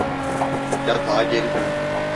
Yatağa geri dön.